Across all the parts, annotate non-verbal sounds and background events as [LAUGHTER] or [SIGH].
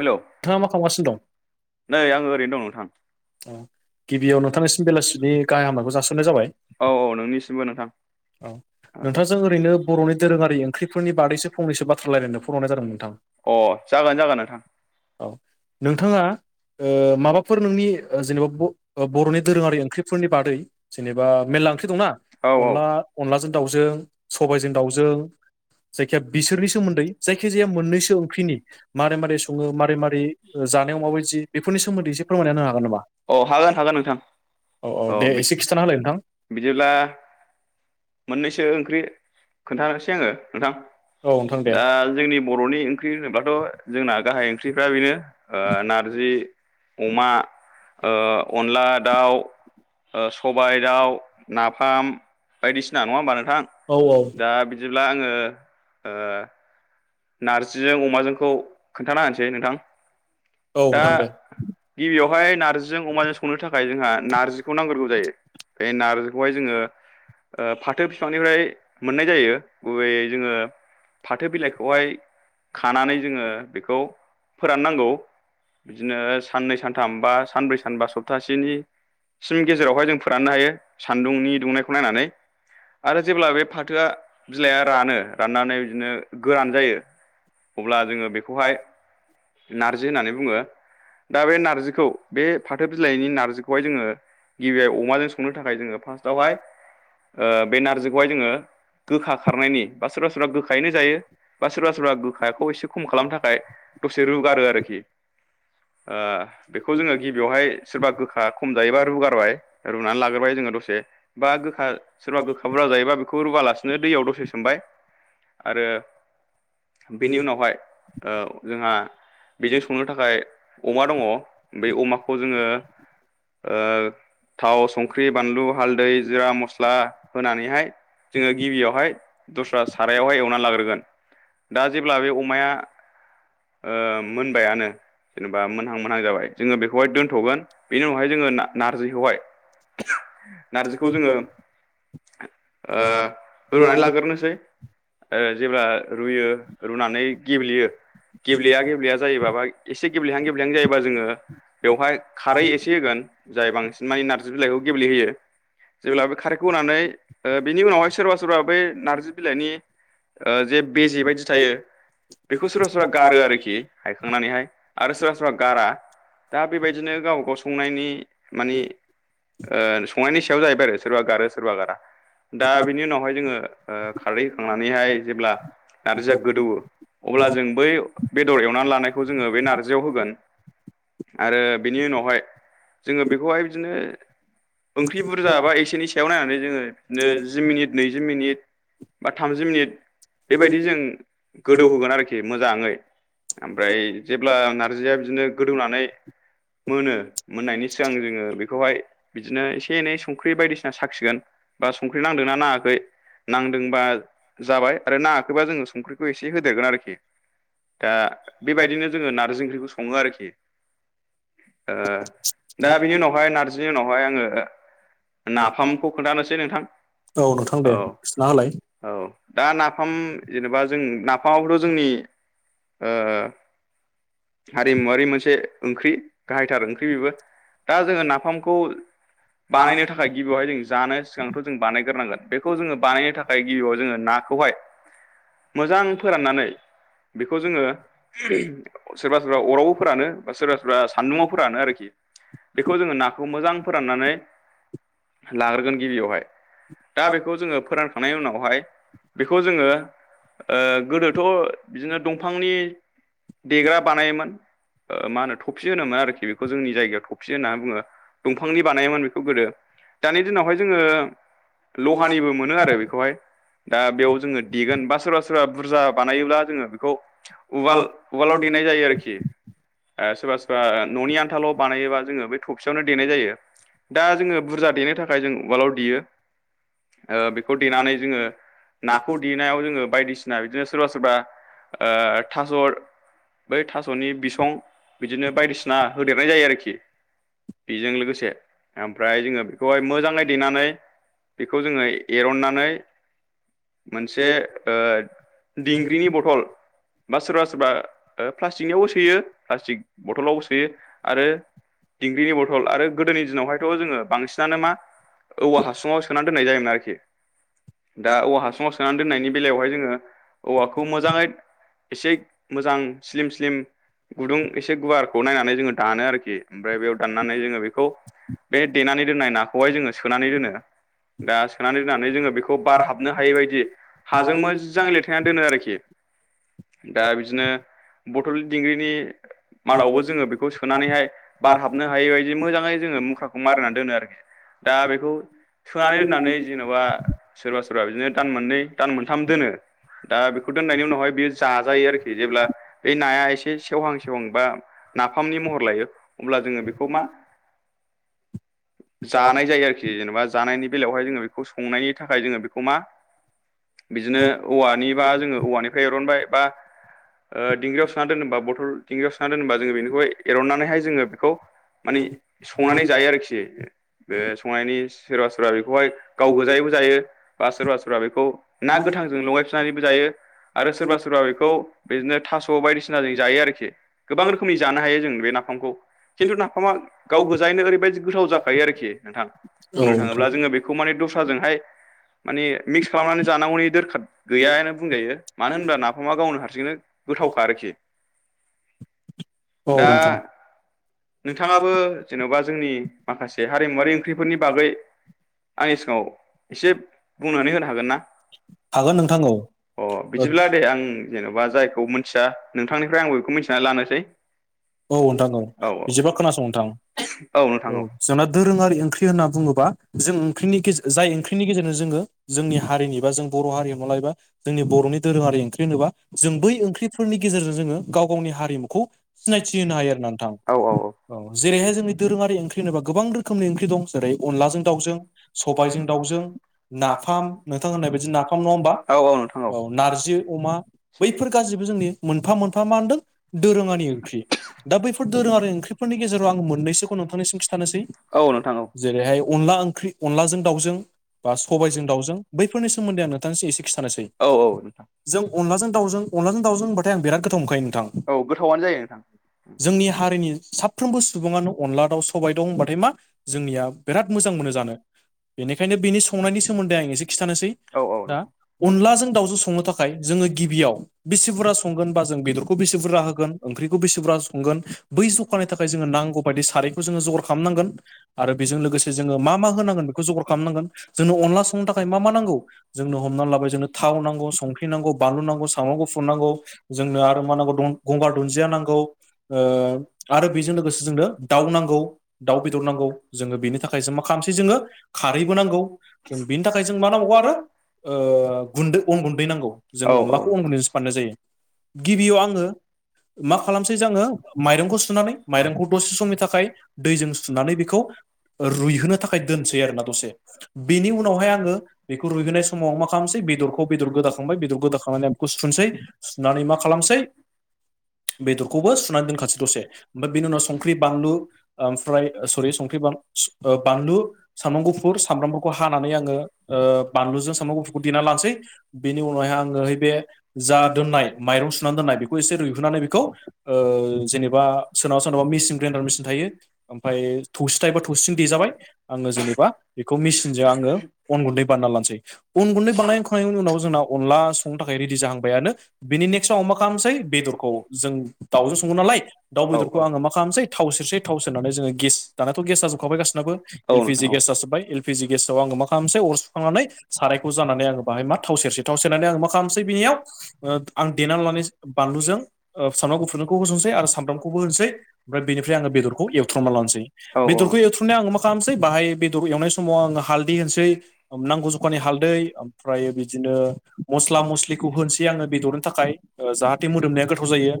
Hello नोंथाङा मा खालामगासिनो दं नै आंङो ओरैनो दं नोंथां। औ गिबियाव नोंथांनिसिम बेलासिनि गाहाय हामनायखौ जासिहरनाय जाबाय औ औ नोंनिसिमबो नोंथां। औ। नोंथांजों ओरैनो बर'नि दोरोंङारि ओंख्रिनि बागैसो फंनैसो बाथ्रा रायलायनो फन हरनाय जादोंमोन नोंथां। अ जागोन जागोन नोंथां। औ नोंथांङा माबाफोर नोंनि जेनेबा। बर'नि दोरोंङारि ओंख्रिफोरनि बादै जेनेबा मेरला ओंख्रि दंना औ औ अनला अनलाजों। दाउजों सबायजों दाउजों। जायखि जाया बिसोरनि सोमोन्दै जायखि जाया मोननैसो ओंख्रिनि मारै मारै संङो। मारै मारै जानायाव माबायदि बेफोरनि सोमोन्दै एसे फोरमायना होनो हागोन नामा औ हागोन हागोन नोंथां औ औ दे एसे खिथाना होलाय नोंथां बिदिब्ला मोननैसो ओंख्रि खोन्थानोसै आङो नोंथां। औ नोंथां दे दा जोंनि बर'नि ओंख्रि होनोब्लाथ' जोंना गाहाय ओंख्रिफ्रा बेनो ओ नारजि अमा ओ अनला दाउ ओ सबाइ दाउ, नाफाम बायदिसिना नङा होमबा नोंथां? औ औ। अब्ला आङो ओ । नारजिजों अमाजोंखौ खोन्थाना होनोसै नोंथां। औ दा नोंथां दे गिबियावहाय नारजिजों अमाजों संनो था खाय जोंहा नार्जिखौ नांग्रोगौ जायो बे नारजिखौहाय जोङो ओ फाथो बिफांनिफ्राय मोननाय जायो, गुबैै जोङो फाथो बिलाइखौ। खौहाय खानानै जोङो बेखौ फोरान नांगौ। बिदिनो साननै सानथाम बा सानब्रै सानबा सप्तासेनि सिम गेजेरावहाय जों फोराननो हायो सान्दुंनि दुंनायखौ नायनानै । आरो जेब्ला बे फाथोआ बिलाइआ रानो राननानै बिदिनो। गोरान जायो अब्ला जोङो बेखौहाय नारजि होननानै बुङो। दा बे नारजिखौ बे फाथो बिलाइनि नारजिखौहाय जोङो गिबियाव अमाजों संनो थाखाय जोङो। फार्स्टआवहाय ओ बे नारजिखौहाय जोङो । गोखा खारनायनि बा सोरबा सोरबा गोखायैनो जायो बा सोरबा सोरबा गोखाखौ एसे खम खालामनो थाखाय। दसे रुगारो आरोखि। अ बेखौ जोङो गिबियावहाय सोरबा गोखा खम जायोबा रुगारबाय रुनानै लाग्रोबाय जोङो दसे बा गोखा सोरबा गोखा बुरजा जायोबा बेखौ रुवालासिनो बेखौ दैयाव दसे सोमबाय। आरो बेनि उनावहाय ओ जोंहा बेजों संनो थाखाय अमा दङ बे अमाखौ जोङो। [UNINTELLIGIBLE] थाव संख्रि बानलु हालदै जिरा मस्ला होनानैहाय। जोङो गिबियावहाय दस्रा सारायावहाय एवनानै लाग्रोगोन। दा जेब्ला बे अमाया ओ मोनबायानो जेनेबा मोनहां मोनहां जाबाय जोङो बेखौहाय दोन्थ'गोन बेनि उनाव उनाव हायो जोङो नारजैखौ हाय नारजैखौ जोङो। ओ रुनानै लाग्रोसै ओ जेब्ला रुयो रुनानै गेब्लेयो गेब्लेया गेब्लेया जायोबा बा एसे गेब्लेहां गेबलेहां जायोबा जोङो बेवहाय खारै एसे होगोन। जाय बांसिन मानि नार्जि बिलाइखौ गेब्लेहोयो जेब्ला बे खारैखौ होनानै ओ बेनि उनावहाय सोरबा सोरबा बै नार्जि बिलाइनि ओ जे बेजे बायदि थायो बेखौ सोरबा सोरबा गारो आरोखि हायखांनानैहाय आरो सोरबा सोरबा गारा । दा बेबायदिनो गाव गाव संनायनि मानि ओ संनायनि सायाव जाहैबाय आरो सोरबा गारो सोरबा गारा। दा बिनि उनावहाय जोङो ओ खारदै होखांनानैहाय जेब्ला नारजिआ गोदौओ अब्ला जों बै बेदर एवनानै लानायखौ जोङो बे नारजियाव होगोन। आरो बेनि उनावहाय जोङो बेखौहाय बिदिनो ओंख्रि बुरजाायाबा एसेनि सायाव नायनानै जोङो बिदिनो जि मिनिट नैजि मिनिट बा थामजि मिनिट बेबायदि जों गोदौहोगोन आरोखि मोजाङै ओमफ्राय जेब्ला नारजिया बिदिनो गोदौनानै मोनो। मोननायनि सिगां जोङो बेखौहाय बिदिनो एसे एनै संख्रि बायदिसिना साखिगोन, बा संख्रि नांदोंना नाङाखै नांदोंबा जाबाय आरो नाङाखैबा जोङो संख्रिखौ एसे होदेरगोन आरोखि । दा बेबायदिनो जोङो नारजि ओंख्रिखौ सङो आरोखि। दा बिनि उनावहाय नारजिनि उनावहाय आङो। नाफामखौ खोन्थानोसै नोंथां नोंथां औ दे खिथाना होलाय औ दा नाफाम जेनेबा जों औ नाफामावथ' जोंनि ओ हारिमुवारि मोनसे ओंख्रि गाहायथार ओंख्रि बेबो दा जोङो ना नफामखौ बानायनो थाखाय गिबियावहाय जों जानो सिगांथ' जों बानायग्रोनांगोन। बेखौ जोङो बानायनो थाखाय गिबियाव जोङो नाखौहाय मोजां फोराननानै बेखौ जोङो सोरबा सोरबा अरावबो फोरानो बा सोरबा सोरबा सान्दुङाव फोरानो आरोखि बेखौ जोङो ना मोजां फोराननानै लाग्रोगोन गिबियावहाय दा बेखौ जोङो फोरा थांनायनि उनावहाय बेखौ जोङो गोदोथ' बिदिनो दंफांनि देग्रा बानायोमोन। मा होनो थफसि होनोमोन आरोखि बेखौ जोंनि जायगायाव थफि होनना बुङो दंफांनि बानायोमोन बेखौ गोदो दानि दिनावहाय जोङो लहानिबो मोनो आरो बेखौहाय दा बेयाव जोङो देगोन बा सोरबा सोरबा बुरजा बानायोब्ला जोङो बेखौ उवाल उवालाव देनाय जायो आरोखि ओ सोरबा सोरबा न'नि आनथाल' बानायोबा जोङो बे थबसेयावनो देनाय जायो दा जोङो बुरजा देनो थाखाय जों उवालाव देयो ओ बेखौ देनानै जोङो नाखौ देनायाव जोङो बायदिसिना बिदिनो सोरबा सोरबा ओ थास' बै थास'नि बिसं बिदिनो बायदिसिना होदेरनाय जायो आरोखि बेजों लोगोसे ओमफ्राय जोङो बेखौहाय मोजाङै दैेनानै बेखौ जोङो एरननानै मोनसे ओ दिंग्रिनि बथल बा सोरबा सोरबा ओ प्लास्टिकनियावबो सोयो प्लास्टिक बथलाव सोयो आरो दिंग्रिनि बथल आरो गोदोनि दिनावहायथ' जोङो बांसिनानो मा औवा हासुङाव सोनानै दोननाय जायोमोन आरोखि दा औवा हासुङाव सोनानै दोननायनि बेलायावहाय जोङो औवाखौ मोजाङै एसे मोजां स्लिम स्लिम गुदुं एसे गुवारखौ नायनानै जोङो दानो आरोखि ओमफ्राय बेयाव दाननानै जोङो बेखौ बे देनानै दोननाय नाखौहाय जोङो सोनानै दोनो। दा सोनानै दोननानै जोङो बेखौ बार हाबनो हायै बायदि हाजों नोंथां मोजांओय लेथायनानै दोनो आरोखि खि दा बिदिनो बथल दिंग्रिनि मादावबो जोङो बेखौ सोनानैहाय बारहाबनो हायै बायदि मोजाङै जोङो मुखाखौ मारिनानै दोनो आरोखि दा बेखौ सोनानै दोननानै जेन'बा सोरबा सोरबा बिदिनो दान मोननै दान मोनथाम दोनो। दा बेखौ दोननायनि उनावहाय बेयो जा जायो आरोख जेब्ला बे नाया एसे सेवहां सेवहां बा नाफामनि महर लायो अब्ला जोङो बेखौ मा जानाय जायो आरोखि जेनेबा जानायनि बेलायावहाय जोङो बेखौ संनायनि थाखाय जोङो बेखौ मा बिदिनो औवानि बा जोङो औवानिफ्राय एरनबाय बा ओ दिंग्रियाव सोना दोनोबा बथल दिंग्रियाव सोना दोनोबा जोङो बेनिखौहाय एरनानैहाय जोङो बेखौ माने संनानै जायो आरोखि बे संनायनि सोरबा सोरबा बेखौहाय गाव गोजायैबो जायो बा सोरबा सोरबा बेखौ ना गोथांजों लगायफि जायो आरो सोरबा सो सबा बेखौ बिदिनो थास' बायदिसिना जों जायो आरोखि गोबां रोखोमनि जानो हायो जों बे नाफामखौ। खिन्थु नाफामा गाव गोजायैनो ओरैबायदि गोथाव जाखायो आरोखि नोंथां बुंनो थाङोब्ला जोङो बेखौ माने द ओजोंहाय मनै मिक्स खालामनानोय जानांगौनि दोरखार गैयाआनो बुंजायो मानो होनोब्ला नाफामा गावनो हारसिंनो गोथावखा आरोखि दा [UNINTELLIGIBLE] नोंथाङाबो जेनबा जोंनि माखासे हारिमुवारि ओंख्रिफोरनि बागै आंनि सिगाङाव एसे बुंनानै होनो हागोन ना? माबा नोंथां औ अ बिदिब्ला दे आं उम जेन'बा जायखौ मोनथिया नोंथानिफ्राय आंबो बेखौ मोनथिना लानोसै। औ नोंथां औ बिदिबा खोनासं नोंथां औ नोंथां अ औ जोंना दोरोङारि ओंख्रि होनना बुङोब बा जों ओंख्रिनि गेज जाय ओंख्रिनि गेजेरजों जोङो जोंनि हारिनि बा जों बर' हारिमु लायोबा जोंनि बर'नि दोरोङारि ओंख्रि होनोबा जों बै ओं ख्रिफोरनि गेजेरजों जोङो गाव गावनि हारिमुखौ सिनायथि होनो हायो आरोना नोंथां औ औ औ अ जेरैहाय जोंनि दोरोङारि ओंख्रि होनोबा गोबां रोखोमनि ओंख्रि दंस ओरै अनलाजों दाउजों सबायजों दाउजों नाफाम नोंथां होननाय बायदि औ नाफाम नङा होमबा? औ नोंथां नोंथां औ नारजि अमा बैफोर गासैबो मोनफा मोनफा मान दों दोरोङारि ओंख्रि ख्रि दा बैफोर दोरोङारि ओंख्रिफोरनि गेजेराव आं मोननैसोख'नो नोंथानिसिम खिथानोसै औ अ जेरैहा हाय अनला ओंख्रि अनलाजों दाउजों बा सबायजों दावजों बैफोरनि सोमोन्दै आं नोंथांनोसो एसे खिथानोसै औ औ अ नोंथां जों अनलाजों दावजों अनलाजों दावजों होनबाथाय आं बिराद गोथाव मोनखायो नोंथ औ गोथावानो जायो। नोंथां जोंनि हारिनि साफ्रोमबो सुबुङानो अनला दाउ स सबाय दं होनबाथाय मा जोंनिया बिराद मोजां मोनो जानो। बेनिखायनो बेनि संनायनि सोमोन्दै आं एसे खिथानोसै औ दा अनलाजों दाउजों संनो थाखाय जों जोङो गिबियाव बेसे बुरजा संगोन बा जों बेदरखौ बेसे बुरजा होगोन ओंख्रिखौ बेसेबुरजा संगोन बै जखानि थाखाय जोङो नांगौ बायदि सारैखौ जोङो जगार खामनांगोन आरो बेजों लोगोस से जोङो मा मा होनांगोन बेखौ जगर खामनांगोन जोंनो अनला संनो थाखाय मा मा नांगौ जोंनो हमनानै लाबाय जोंनो था थाव नांगौ संख्रि नांगौ बानलु नांगौ सामब्राम गुफुर नांगौ जोंनो आरो मा नांगौ दं गंगार दुनजिया नांगौ ओ आरो बेजों लोगोसे जोंनो दाउ नांगौ दाउ बेदर नांगौ जोङो बेनि थाखाय थाय जो मा खालामसै जोङो खारैबो नांगौ ओ बिनि थाखाय जों मा नांगौ आरो ओ गुन्दै अन गुन्दै नांगौ जों औ अनलाखौ अन औ गुन्दैसो बानायनाय जायो। गिबियाव आङो मा खालामसै जोङो माइरंखौ सुनानै माइरंखौ दसे समनि थाखाय दैजों सुनानै बेखौ रुइहोनो थाखाय दोनसै आरोना दसे बेनि उनावहाय आङो बेखौ रुइहोनाय समाव मा खालामसै बेख बेदरखौ बेदर गोदाखांबाय बेदर गोदाखांनानै आं बेखौ सुुनसै सुनानै मा खालामसै [INAUDIBLE] बेदरखौबो सुनानै दोनखासै दसे ओमफाय बेनि उनाव संख्रि बानलु ओ ओमफ्राय ओ सरि संख्रि बान सु ओ बानलु सामब्राम गुफुर सामब्रामफोरखौ हानानै आङो ओ बानलुजों सामब्राम गुफुरखौ देना लानोसै बेनि उनावहाय आङो हैै बे जा दोननाय माइरं सुनानै दोननाय बेखौ एसे रुइ थुनानै बेखौ ओ जेनेबा सोरनावबा सोरनावबा मिसिन ग्रेन्डार मिसिन थायो ओमफ्राय थौसि थायोबा थौ थौसिजों देजाबाय आङो जेनेबा बेखौ मेसिनजों आङो अन गुन्दै बानायना लानोसै अन गुन्दै बां बानायखांनायनि उनाव जोंना अनला संनो थाखाय रेडि जाहांबायानो बेनि नेक्स्टआव मा खालामनोसै बेदर खौ जों दाउजों सङो नालाय दाउ औ बेदरखौ आङो मा खालामनोसै थाव सेरसै थाव सेरनानै जोङो गेस दानाथ' गेज जाजुबखा खाबाय गासिनाबो एल पि नोंथां जि गेस जाजोब्बाय एल पि जि गेस आव आङो मा खालामसै अर सुखांनानै सारायखौ जान्नानै आङो बाहाय मा थाव सेरसै थाव सेरनानै आङो मा खालामसै बिनिआव ओ आं देनानै लानायस बानलुजों ओ ओ सामब्राम गुुफुरनिखौ होस'नोसै आरो सामब्रामखौबो होनोसै ओमफ्राय बेनिफ्राय आङो बेदरखौ एवथ्रमना लानोसै औ औ औ बेदरखौ एवथ फुनायाव आं मा खालामसै बाहाय बे दरखौ एवनाय समाव आं हालदै होनोसै अ नांगौ जखानि हालदै ओमफ्राय बिदिनो मसल स्ला मस्लिखौ होनसै आङो बेदरनो थाखाय ओ जाहाथे मोदोमनाया गोथ थ जायो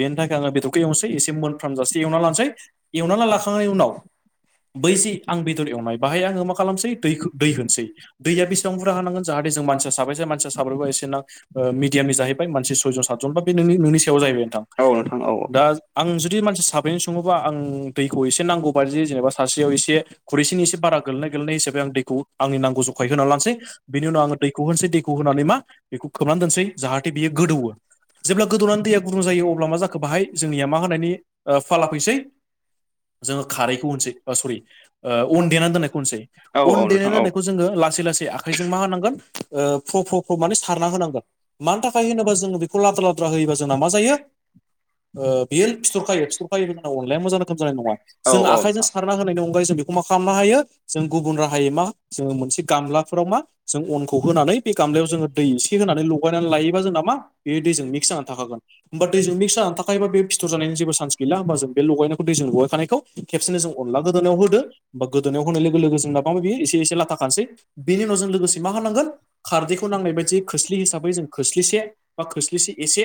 बेनि थाखाय आङो बेदरखौ एवनोसै एसे मोनफ्राम जासे एवना लानोसै एवना ला लाखांनायनि उनाव बैजे आं बेदर एवनाय बाहाय आङो मा खालामसै दैखौ दै होनसै दैया बेसेबां बुरजा हानांगोन जाहाथे जों मानसिया साबोसे मानसिया साब्रैबा एस जेनां ओ मिडियामनि जाहैबाय मानसि सयजन सातजन बा बे नोंनि नोंनिस सायाव जाहैबाय नोंथां औ अ नोंथां औ दाज आं जुदि मानसि साब्रैनि सङोबा आं दैखौ एसे नांगौ बायदि जेनेबा सासेयाव एसे खुरैसेनि एसे बारा गोलैनाय गोलैनाय हिसाबै आं दैखौ आंनि नांगौ जख खायै होनानै लानोसै। बिनि उनाव आङो दैखौ होनोसै दैखौ होनानै मा बेखौ खोबनानै दोनसै जाहाथे बियो गोदौवो। जेब्ला गोदौनानै दैया गुदुं जायो अब्ला मा जाखो बाहाय जोंनिया मा होननि फाला फैसै जोङो खारैखौ होनसै ओ सरि ओ अन देनानै दोननायखौ होननोसै औ औ अन देनानै नोंथां औ दोननायखौ जोङो लासै लासै सै आखाइजों मा होनांगोन ओ प्र प्र प्र माने सारना होनांगोन। मानि थाखाय होनोबा जोङो बेखौ लादुरा लादुरा होयोबा जों मा जायो ओ बियो फिथरखायो। फिथरखायोबो मोजां अनलाया मोजां रोखोम जानाय नङा, औ जों आखाइजों सारना होनायनि अन यै जों बेखौ मा खालामनो हायो जों गुबुन राहायै मा जोङो मोनसे गामलाफोराव मा जों अनखौ होनानै बे गामलायाव जोङो दै एसे होनानै लगायनानै लायोबा जोंना मा बे दैजों मिक्स जानानै थाखागोन होमबा दैजों मिक्स जानानै थाखायोबा बे फिथर जानायनि जेबो चान्स गैला। होमबा जों बे लगायनायखौ दैजों लगायखानायखौ खेबसेनो जों अनला गोदोनायाव होदो बा गोदोनायाव होनाय लोगो-लोगो जों [INAUDIBLE] एसे एसे लाथा खानोसै बेनि उनाव जों लोगोसे मा होननांगोन खारदैखौ नांनाय बायदि खोस्लि हिसाबै जों खोस्लिसे बा खोस्लिसे एसे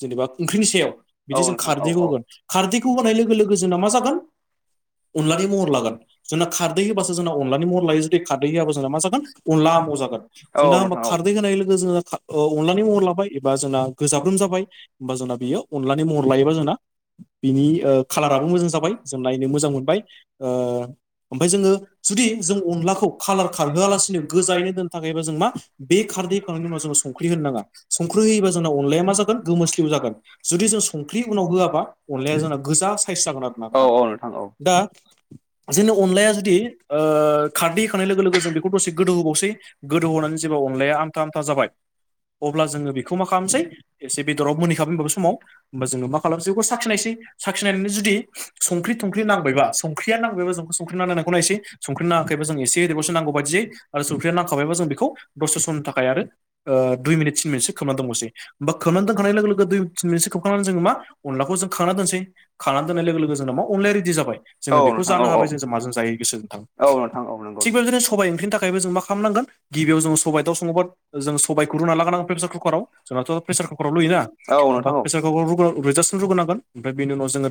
जेनेबा ओंख्रिनि सायाव औ बिदि जों नोंथां औ खारदैखौ होगोन। खारदैखौ होनाय लोगो-लोगो जोंना मा जागोन अनलानि महर लागोन, जोंना खारदै होबासो जोंना अनलानि महन लायो। जुदि खारदै होआबा जोंना मा जागोन अनला आमाव जागोन। औ नोंथां औ जोंना होनबा नोंथां औ खारदै होनाय लोगो जों अनलानि महर लाबाय एबा जोंना गोजाब्रोम जाबाय होमबा जोंना बियो अनलानि महर लायोबा जोंना बिनि ओ खालाराबो मोजां जाबाय जों नायनो मोजां मोनबाय ओ ओमफ्राय जोङो जुदि जों अनलाखौ खालार खारहोआलासिनो गोजायैनो दोननो थाखायबा जों मा बे खारदै होखांनायनि उनाव जों संख्रि होनो नाङा संख्रि होयोबा जोंना अनलाया मा जागोन गोमोस्लिव जागोन। औ जुदि जों संख्रि उनाव नोंथां होआबा औ अनलाया जोंना गोजा साइज जागोन आरो ना औ नोंथां। औ औ दा जोंनि अनलाया जुदि ओ खारदै होखांनाय लोगो- लोगो जों बेखौ दसे गोदौहोबावसै गोदौहोनानै जों अनलाया आमथा-आमथा जाबाय अब्ला जोङो बेखौ मा खालामसै एसे बेदराव मोनहैखाबोन होनबा बे समाव होमबा जोंङो मा खालामसै बेखौ साखिनायसै साखिनायनानै जुदि संख्रि-थंख्रि नांबायबा संख्रिया नांबायबा जोंखौ संख्रि नांनाय नाङैखौ नायसै संख्रिना नाङाखैबा जों एसे होदेरबावसै नांगौ बायदि आरो संख्रि नांखाबायबा जों बेखौ दसे समनि थाखाय आरो दुइ मिनिट थिन मिनिटसो खोबनानै दोनबावसै होमबा खोबनानै दोनखांनाय लोगो-लोगो दुइ मिनिट टिन मिनिटसो संखांनानै जोङो मा अनलाखौ जों खांनानै दोनसै। खांनानै दोननाय लोगो लोगो जोंना मा अनलाया रेदि जाबाय, जोङो बेखौ जानो हा बाय जों माजों जायो गोसो नोंथां। नंगौ थिग बेबादिनो सबाय ओंख्रिनि थाखाय जों मा खालामनांगोन गिबियाव जोङो सबाय दाउ सङोबा जोङो सबायाइखौ रुना लागोनांगोन प्रेसार कुकाराव जोंनाथ' प्रेसार कुकाराव रुयो ना, औ बा नोंथां औ प्रेसार कुकाराव रुजासिम रुगोनांगोन ओमफ्राय बेनि उनाव जों